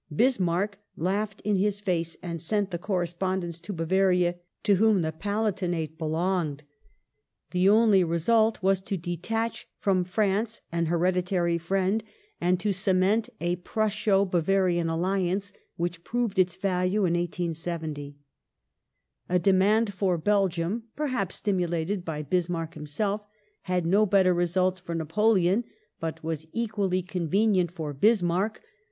Bismarck laughed in his face, and sent the correspondence to Bavaria, to whom the Palatinate belongeil. The only result was i 1868] CONFERENCE IN LONDON 367 to detach from France an hereditary friend, and to cement a Prusso Bavarian alliance, which proved its value in 1870. A de mand for Belgium — perhaps stimulated by Bismarck himself — had no better results for Napoleon but was equally convenient for Bis marck.